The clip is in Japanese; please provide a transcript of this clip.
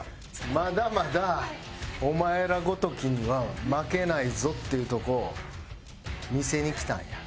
まだまだお前らごときには負けないぞっていうとこを見せに来たんや。